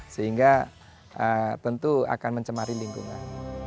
sehingga tentu akan mencemari lingkungan